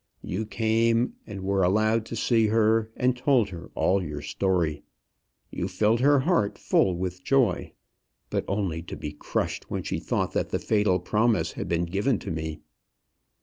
You came, and were allowed to see her, and told her all your story. You filled her heart full with joy, but only to be crushed when she thought that the fatal promise had been given to me.